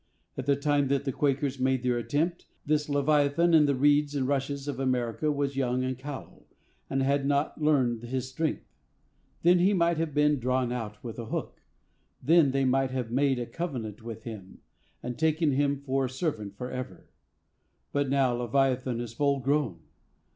At the time that the Quakers made their attempt, this Leviathan in the reeds and rushes of America was young and callow, and had not learned his strength. Then he might have been "drawn out with a hook;" then they might have "made a covenant with him, and taken him for a servant forever;" but now Leviathan is full grown.